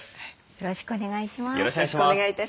よろしくお願いします。